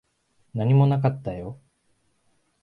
何もなかったよ。